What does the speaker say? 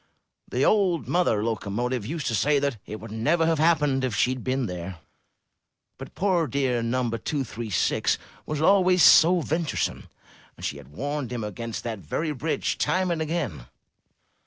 The old mother loco motive used to say that it would never have happened if she had been there; but poor dear No. 236 was always so venturesome, and she had warned him against that very bridge time and again.